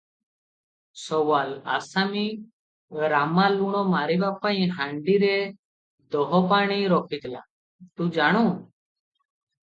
ସୱାଲ - ଆସାମୀ ରାମା ଲୁଣ ମାରିବା ପାଇଁ ହାଣ୍ଡିରେ ଦହପାଣି ରଖିଥିଲା, ତୁ ଜାଣୁ?